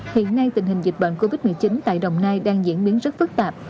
hiện nay tình hình dịch bệnh covid một mươi chín tại đồng nai đang diễn biến rất phức tạp